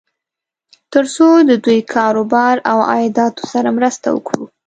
تر څو د دوی کار و بار او عایداتو سره مرسته وکړو.